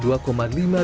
dan ini juga memungkinkan